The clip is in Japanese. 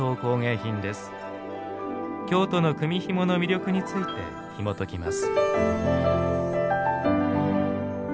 京都の組みひもの魅力についてひもときます。